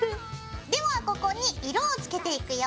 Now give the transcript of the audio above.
ではここに色をつけていくよ。